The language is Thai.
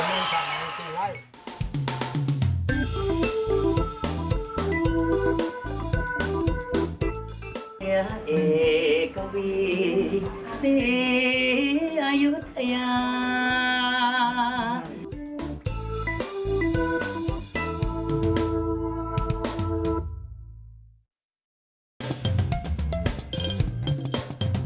นี่สุดยอดน่ารักจริงสุดยอด